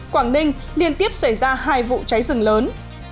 quảng ninh liên tiếp xảy ra hai vụ cháy rừng lớn